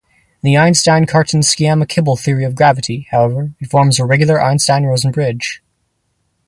In the Einstein-Cartan-Sciama-Kibble theory of gravity, however, it forms a regular Einstein-Rosen bridge.